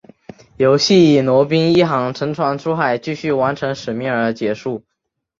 游戏以罗宾一行乘船出海继续完成使命而结束。